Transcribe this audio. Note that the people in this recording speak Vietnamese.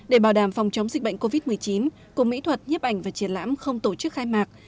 để bảo đảm phòng chống dịch bệnh covid một mươi chín cục mỹ thuật nhếp ảnh và triển lãm không tổ chức khai mạc